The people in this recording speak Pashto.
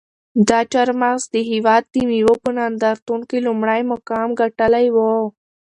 دا چهارمغز د هېواد د مېوو په نندارتون کې لومړی مقام ګټلی و.